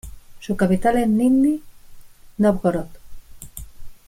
Su capital es Nizhni Nóvgorod.